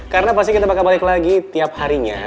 karena pasti kita bakal balik lagi tiap harinya